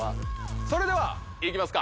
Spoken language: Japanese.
それでは行きますか。